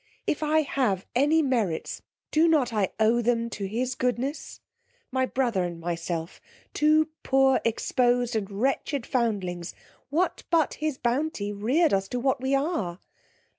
If I have any merits, do not I owe them to his goodness? My brother and myself, two poor exposed and wretched foundlings, what but his bounty rear'd us to what we are?